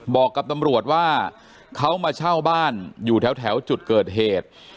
บอกกับตำรวจว่าเขามาเช่าบ้านอยู่แถวจุดเกิดเหตุ